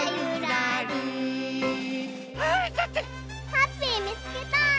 ハッピーみつけた！